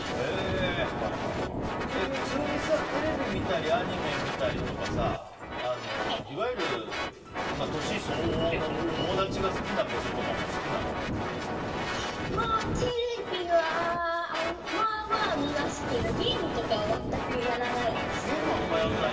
普通にさ、テレビ見たりアニメ見たりとかさいわゆる年相応の友達が好きなこととかもテレビはまあまあ見ますけどゲームとかは全くやらないですね。